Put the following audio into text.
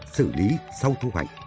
xử lý sau thu hoạch